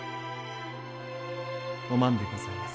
お万でございます。